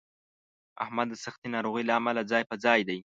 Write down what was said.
احمد د سختې ناروغۍ له امله ځای په ځای دی.